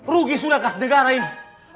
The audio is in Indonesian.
rugi sudah khas negara ini